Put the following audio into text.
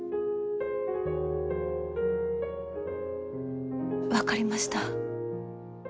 分かりました。